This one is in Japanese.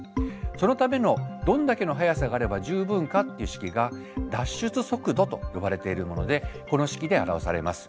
そのためのどんだけの速さがあれば十分かっていう式が脱出速度と呼ばれているものでこの式で表されます。